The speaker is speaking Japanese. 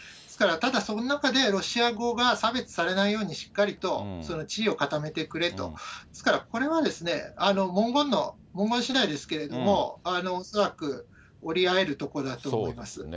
ですから、ただ、その中で、ロシア語が差別されないようにしっかりと、地位を固めてくれと、ですからこれは、文言しだいですけれども、恐らく折り合えるところだと思います。